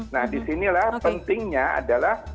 nah disinilah pentingnya adalah